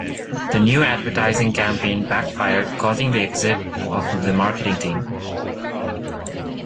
The new advertising campaign backfired causing the exit of the marketing team.